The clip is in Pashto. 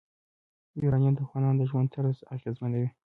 یورانیم د افغانانو د ژوند طرز اغېزمنوي.